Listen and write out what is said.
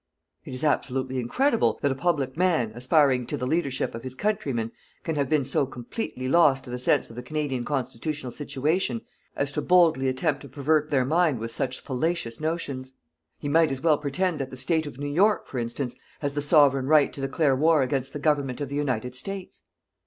It is absolutely incredible that a public man, aspiring to the leadership of his countrymen, can have been so completely lost to the sense of the Canadian constitutional situation as to boldly attempt to pervert their mind with such fallacious notions. He might as well pretend that the State of New York, for instance, has the Sovereign Right to declare war against the Government of the United States.